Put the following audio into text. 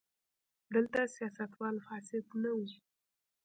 دلته سیاستوال فاسد نه وو.